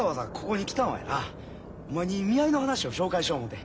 お前に見合いの話を紹介しよう思て。